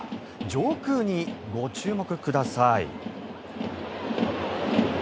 上空にご注目ください。